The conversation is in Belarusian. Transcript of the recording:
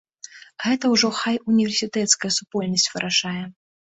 Гэта ўжо хай універсітэцкая супольнасць вырашае.